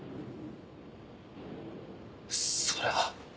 それは。